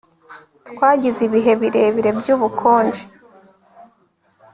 Twagize ibihe birebire byubukonje